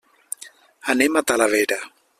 Anem a Talavera.